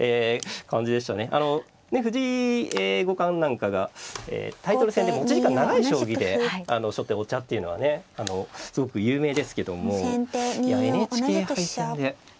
あの藤井五冠なんかがタイトル戦で持ち時間長い将棋であの初手お茶っていうのはねすごく有名ですけどもいやＮＨＫ杯戦で。